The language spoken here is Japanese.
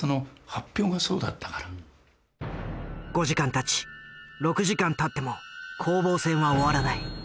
５時間たち６時間たっても攻防戦は終わらない。